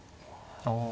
ああ。